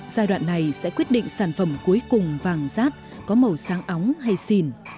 giai đoạn này sẽ quyết định sản phẩm cuối cùng vàng rát có màu sáng óng hay xìn